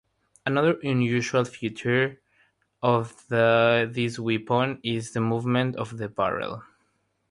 Another unusual feature of this weapon is the movement of the barrel.